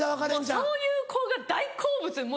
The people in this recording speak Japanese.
そういう子が大好物よ